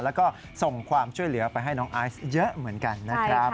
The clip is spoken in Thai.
แล้วก็ส่งความช่วยเหลือไปให้น้องไอซ์เยอะเหมือนกันนะครับ